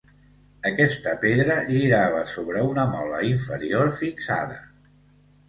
Aquesta pedra girava sobre una mola inferior fixada.